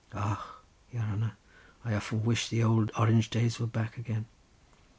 Och, your hanner, I often wished the ould Orange days were back again.